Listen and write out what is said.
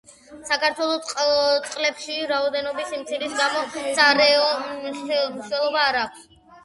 საქართველოს წყლებში რაოდენობის სიმცირის გამო სარეწაო მნიშვნელობა არ აქვს.